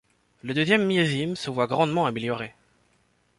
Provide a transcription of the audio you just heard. Le deuxième millésime se voit grandement amélioré.